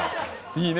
いいね。